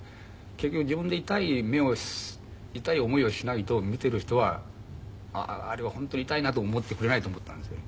結局自分で痛い目を痛い思いをしないと見てる人はあれは本当に痛いなと思ってくれないと思ったんですよね。